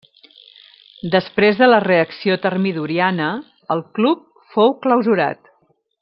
Després de la reacció Termidoriana, el club fou clausurat.